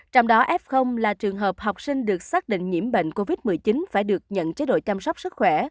trong đó f là trường hợp học sinh được xác định nhiễm bệnh covid một mươi chín phải được nhận chế độ chăm sóc sức khỏe